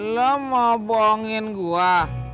lah mau bohongin gua